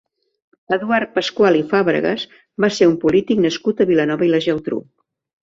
Eduard Pascual i Fàbregas va ser un polític nascut a Vilanova i la Geltrú.